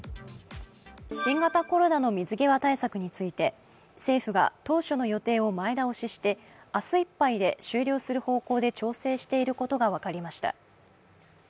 新型コロナの水際対策について政府が当初の予定を前倒しして明日いっぱいで終了する方向で調整していることが分かりました。